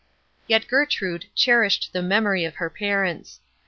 Yet Gertrude cherished the memory of her parents.